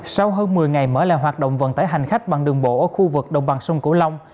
sau hơn một mươi ngày mở lại hoạt động vận tải hành khách bằng đường bộ ở khu vực đồng bằng sông cổ long